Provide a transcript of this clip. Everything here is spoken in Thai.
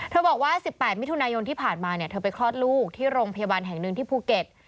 บอกว่า๑๘มิถุนายนที่ผ่านมาเธอไปคลอดลูกที่โรงพยาบาลแห่งหนึ่งที่ภูเก็ต